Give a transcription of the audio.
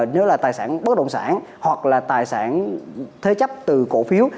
nếu là tài sản bất động sản hoặc là tài sản thế chấp từ cổ phiếu